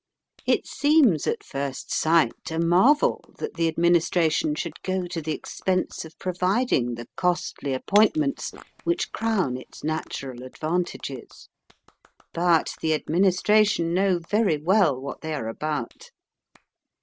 It seems at first sight a marvel that the Administration should go to the expense of providing the costly appointments which crown its natural advantages. But the Administration know very well what they are about.